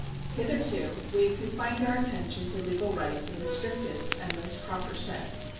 Hitherto we have confined our attention to legal rights in the strictest and most proper sense.